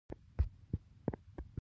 آیا پیپسي او کوکا کولا دلته جوړیږي؟